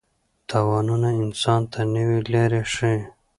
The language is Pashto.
تاوانونه انسان ته نوې لارې ښيي.